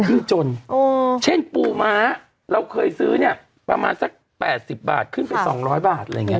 ยิ่งจนเช่นปูม้าเราเคยซื้อเนี่ยประมาณสัก๘๐บาทขึ้นไป๒๐๐บาทอะไรอย่างเงี้